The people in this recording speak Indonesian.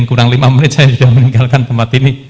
kurang lima menit saya sudah meninggalkan tempat ini